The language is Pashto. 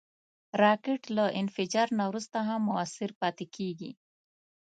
راکټ له انفجار نه وروسته هم مؤثر پاتې کېږي